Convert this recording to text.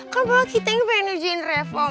kan malah kita yang pengen ujiin reform